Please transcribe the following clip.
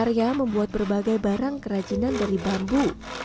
karya membuat berbagai barang kerajinan dari bambu